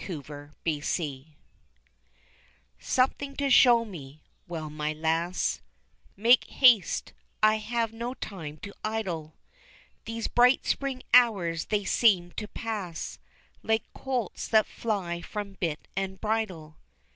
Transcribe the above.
Only a Picture Something to show me well, my lass, Make haste, I have no time to idle, These bright spring hours they seem to pass Like colts that fly from bit and bridle.